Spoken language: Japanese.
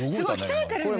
鍛えてるんですか？